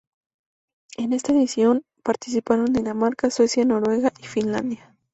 En esta edición participaron Dinamarca, Suecia, Noruega y Finlandia.